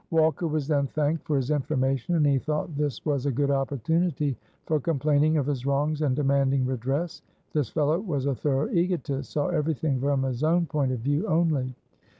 Walker was then thanked for his information, and he thought this was a good opportunity for complaining of his wrongs and demanding redress. This fellow was a thorough egotist, saw everything from his own point of view only.